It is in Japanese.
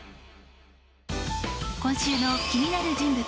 今週の気になる人物